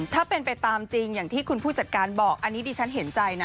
ถ้าเป็นไปตามจริงอย่างที่คุณผู้จัดการบอกอันนี้ดิฉันเห็นใจนะ